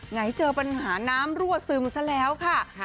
ไหนเจอปัญหาน้ำรั่วซึมซะแล้วค่ะ